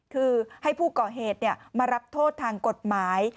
คือให้ผู้ก่อเหตุมารับโทษทางกฎหมาย